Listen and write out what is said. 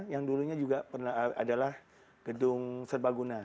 yang dulunya juga adalah gedung serbaguna